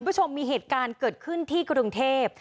คุณผู้ชมมีเหตุการณ์เกิดขึ้นที่กรุงเทพ